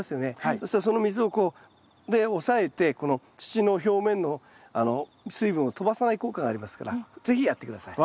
そしたらその水をこう押さえてこの土の表面の水分をとばさない効果がありますから是非やって下さい。